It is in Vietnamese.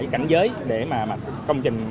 cảnh giới để mà công trình